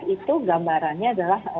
itu gambarannya adalah